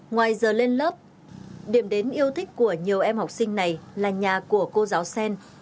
ngoài giờ lên lớp điểm đến yêu thích của nhiều em học sinh này là nhà của cô giáo sen